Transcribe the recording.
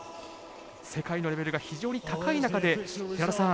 世界のレベルが非常に高い中で寺田さん